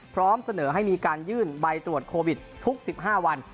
พร้อมเสนอให้มีการยื่นใบตรวจโควิดทุก๑๕วัน